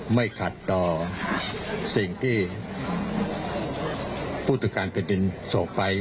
ไม่ขัดต่อสิ่งที่ผู้ตรวจการแผ่นดินส่งไป